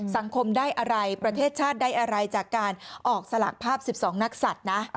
สังคมได้อะไรประเทศชาติได้อะไรจากการออกสลากภาพ๑๒นักศัตริย์นะ